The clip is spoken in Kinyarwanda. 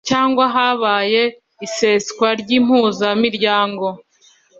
Cyangwa habaye iseswa ry Impuzamiryango